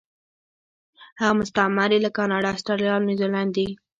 هغه مستعمرې لکه کاناډا، اسټرالیا او نیوزیلینډ دي.